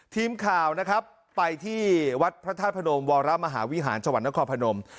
ทีมข่าวนะครับไปที่วัดพระธาตุพนมวรมหาวิหารจังหวัดนครพนม